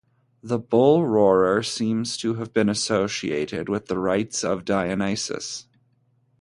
The bull-roarer seems to have been associated with the rites of Dionysus.